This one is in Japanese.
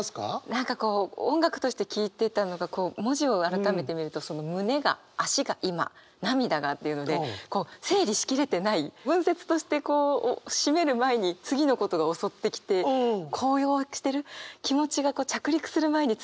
何かこう音楽として聴いてたのがこう文字を改めて見るとその「胸が」「足が今」「涙が」っていうのでこう整理し切れてない文節として締める前に次のことが襲ってきて高揚してる。